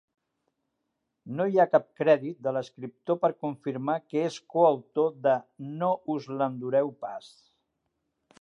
No hi ha cap crèdit de l'escriptor per confirmar que és coautor de "No us l'endureu pas".